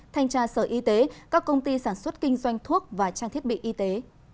thanh tra sở y tế các công ty sản xuất kinh doanh thuốc và trang thiết bị y tế